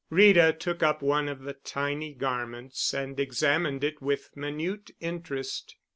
Rita took up one of the tiny garments and examined it with minute interest.